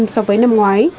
so với năm ngoái